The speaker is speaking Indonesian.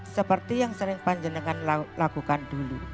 seperti yang sering panjenengan lakukan dulu